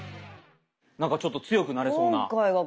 なんかちょっと強くなれそうな企画。